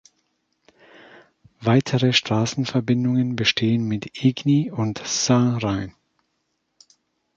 Weitere Straßenverbindungen bestehen mit Igny und Sainte-Reine.